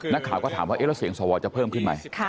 นักข่าวก็ถามว่าแล้วเสียงสวจะเพิ่มขึ้นไหม